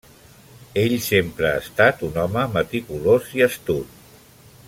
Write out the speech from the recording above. Ell sempre ha estat un home meticulós i astut.